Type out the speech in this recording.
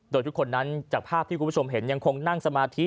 โดยทุกคนนั้นจากภาพที่คุณผู้ชมเห็นยังคงนั่งสมาธิ